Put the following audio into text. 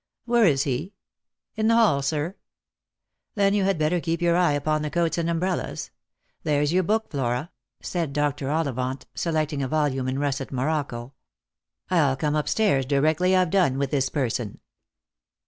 " Where is he P " "In the hall, sir." "Then you had better keep your eye upon the coats and umbrellas. There's your book, Flora," said Dr. Ollivant, select ing a volume in russet morocco ;" I'll come up stairs directly I've done with this person."